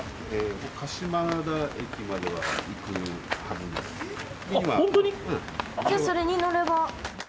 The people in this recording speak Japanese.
じゃあそれに乗れば。